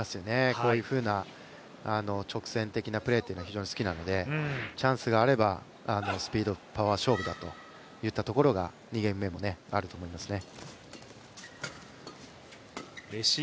こういうふうな直線的なプレーが非常に好きなのでチャンスがあれば、スピード、パワー勝負だといったところが２ゲーム目もあると思いますね。